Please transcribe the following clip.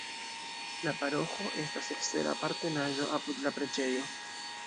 La paroĥo estas ekstera apartenaĵo apud la preĝejo.